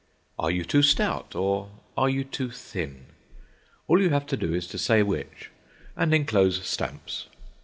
Are you too stout, or are you too thin? All you have to do is to say which, and enclose stamps.